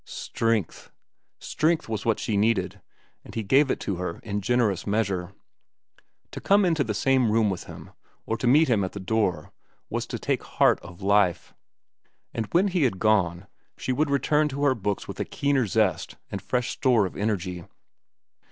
Strength! Strength was what she needed, and he gave it to her in generous measure. To come into the same room with him, or to meet him at the door, was to take heart of life. And when he had gone, she would return to her books with a keener zest and fresh store of energy.